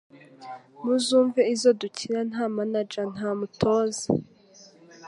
Muzumve izo dukina nta manager nta mutoza